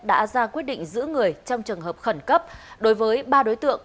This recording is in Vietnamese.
đã ra quyết định giữ người trong trường hợp khẩn cấp đối với ba đối tượng